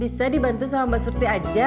bisa dibantu sama mbak surti aja